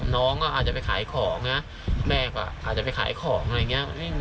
น้องก็อาจจะไปขายของนะแม่ก็อาจจะไปขายของอะไรอย่างนี้